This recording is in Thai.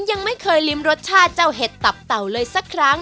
ยังไม่เคยลิ้มรสชาติเจ้าเห็ดตับเต่าเลยสักครั้ง